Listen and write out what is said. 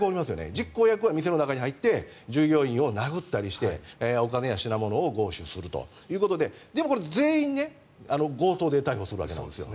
実行役は店の中に入って従業員を殴ったりしてお金や品物を強取するということででもこれ、全員強盗で逮捕するわけなんですよ。